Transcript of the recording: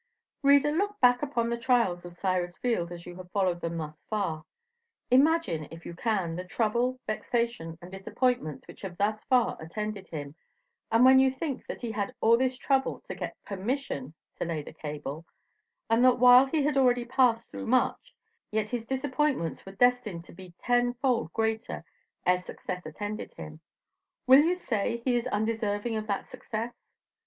Reader, look back upon the trials of Cyrus Field as you have followed them thus far; imagine if you can the trouble, vexation and disappointments which have thus far attended him, and when you think that he had all this trouble to get PERMISSION to lay the cable, and that while he had already passed through much; yet his disappointments were destined to be tenfold greater ere success attended him; will you say he is undeserving of that success?